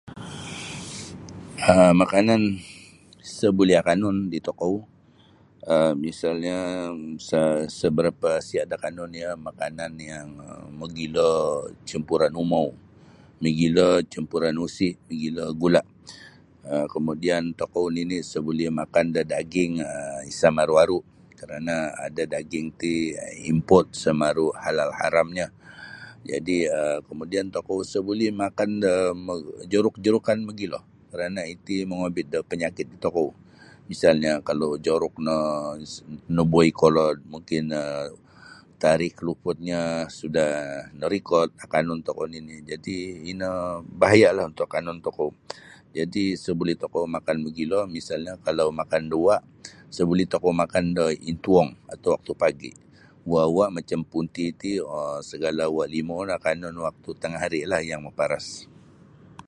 um makanan sa buli akanun di tokou um misalnyo sa sa barapa sihat da akanun iyo makanan yang mogilo campuran umou mogilo campuran usi' mogilo gula' um kamudian tokou nini' isa buli makan da daging um isa maru'-aru karana' ada daging ti import isa maru' halal haramnyo jadi' kemudian tokou isa buli makan da mo joruk-jorukon mogilo karana' iti mogobit da panyakit tokou misalnyo kalau joruk no nabuwai kolod mungkin um tarikh luputnyo sudah narikot akanun tokou nini jadi' ino bahayalah untuk akanun tokou jadi' isa buli tokou makan mogilo misalnyo kalau makan da uwa' isa buli tokou makan da intuong atau waktu pagi'. Uwa-uwa' macam punti ti um sagala uwa' limau no akanun waktu tangah harilah yang maparas.